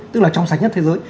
tức là trong sách nhất thế giới